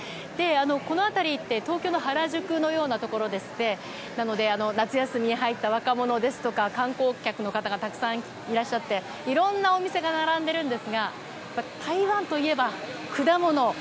この辺りって東京の原宿のようなところでしてなので夏休みに入った若者ですとか観光客の方がたくさんいらっしゃっていろんなお店が並んでいるんですが台湾といえば果物。